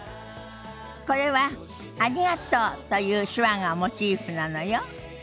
これは「ありがとう」という手話がモチーフなのよ。